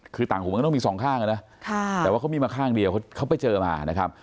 คือต่างหูมันก็ต้องมีสองข้างอ่ะนะแต่ว่าเขามีมาข้างเดียวเขาไปเจอมานะครับ